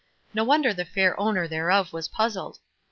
No wonder the fair owner thereof was puzzled.